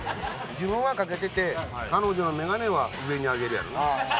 自分はかけてて彼女のメガネは上に上げるやろな。